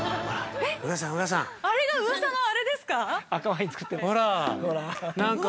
◆えっ、あれが噂のあれですか？